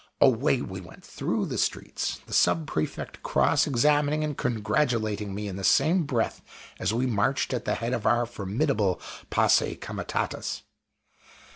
Away we went through the streets, the Sub prefect cross examining and congratulating me in the same breath as we marched at the head of our formidable _posse comitatus.